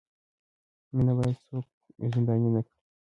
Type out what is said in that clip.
مینه باید څوک زنداني نه کړي.